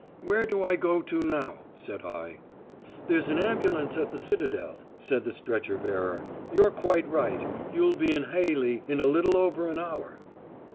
"Where do I go to now?" said I. "There's an ambulance at the Citadel," said the stretcher bearer. "You're quite right. You'll be in Heilly in a little over an hour."